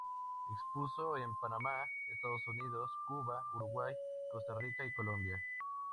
Expuso en Panamá, Estados Unidos, Cuba, Uruguay, Costa Rica y Colombia.